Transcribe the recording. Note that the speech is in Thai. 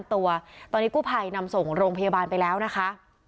ตัวตอนนี้กู้ภัยนำส่งโรงพยาบาลไปแล้วนะคะ